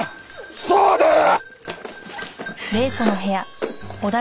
そうだよ！